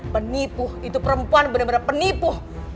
penipu itu perempuan bener bener penipu